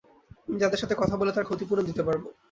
আমি তাদের সাথে কথা বলে তার ক্ষতি পূরণ দিতে পারব।